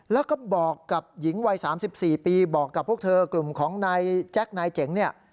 แล้วก็บอกกับหญิงวัย๓๔ปีบอกกับพวกเธอกลุ่มของนายแจ็คนายเจ๋งเนี่ย